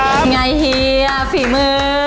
ยังไงเฮียสีมือ